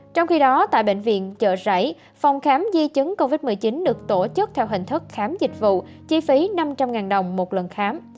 trong khi đó tại bệnh viện chợ rẫy phòng khám di chứng covid một mươi chín được tổ chức theo hình thức khám dịch vụ chi phí năm trăm linh đồng một lần khám